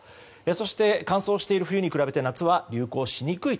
そして乾燥している冬に比べ夏は流行しにくい。